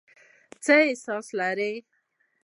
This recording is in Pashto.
څه احساس لرئ ؟